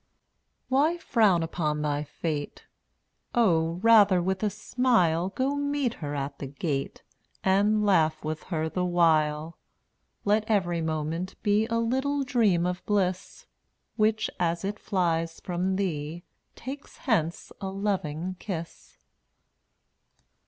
227 Why frown upon thy fate? Oh, rather with a smile Go meet her at the gate And laugh with her the while. Let every moment be A little dream of bliss, Which, as it flies from thee, Takes hence a loving kiss.